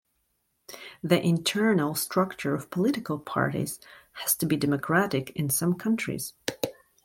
The internal structure of political parties has to be democratic in some countries.